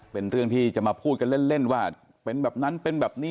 เป็นเรื่องที่จะมาพูดกันเล่นว่าเป็นแบบนั้นเป็นแบบนี้